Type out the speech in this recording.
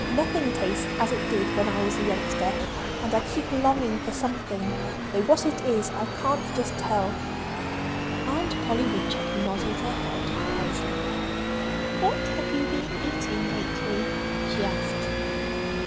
"Nothing tastes as it did when I was a youngster. And I keep longing for something, though what it is I can't just tell." Aunt Polly Woodchuck nodded her head wisely. "What have you been eating lately?" she asked.